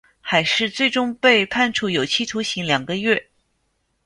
海氏最终被判处有期徒刑两个月。